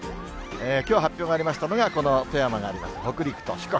きょう発表になりましたのは、この富山にあります、北陸と四国。